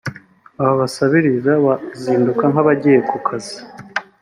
aba basabiriza bazinduka nk’abagiye ku kazi